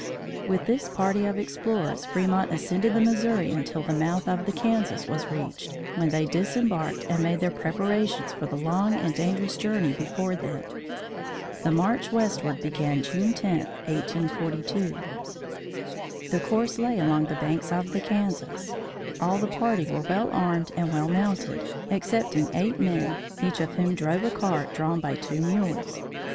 With this party of explorers Fremont ascended the Missouri until the mouth of the Kansas was reached, when they disembarked and made their preparations for the long and dangerous journey before them. The march westward began June 10, 1842. The course lay along the banks of the Kansas. All the party were well armed and well mounted, excepting eight men, each of whom drove a cart, drawn by two mules.